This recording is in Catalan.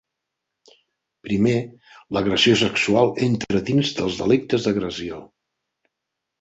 Primer, l'agressió sexual entra dins dels delictes d'agressió.